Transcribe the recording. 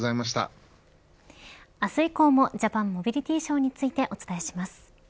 明日以降もジャパンモビリティショーについて、お伝えします。